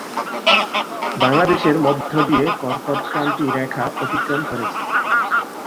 বাংলাদেশের মধ্য দিয়ে কর্কটক্রান্তি রেখা অতিক্রম করেছে।